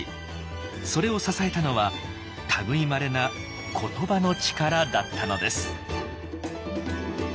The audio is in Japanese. それを支えたのは類いまれな言葉の力だったのです。